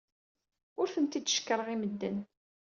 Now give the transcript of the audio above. Ur tent-id-cekkṛeɣ i medden.